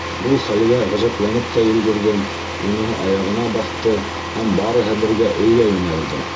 Был хәлгә ғәжәпләнеп тә өлгөрҙөм, уныһы аяғына баҫты һәм барыһы бергә өйгә йүнәлде.